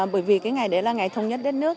bởi vì cái ngày đấy là ngày thống nhất đất nước